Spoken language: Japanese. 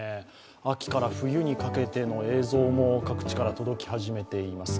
秋から冬にかけての映像も各地から届き始めています。